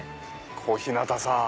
小日向さん！